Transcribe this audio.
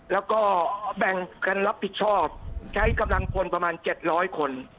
แล้วก็แบ่งการรับผิดชอบใช้กำลังพลประมาณเจ็ดร้อยคน